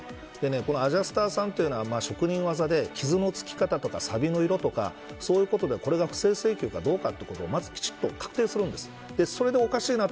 このアジャスターさんというのは職人技で傷の付き方とかサビとかそういうことでこれが不正請求かどうかをきちんと確定するんです。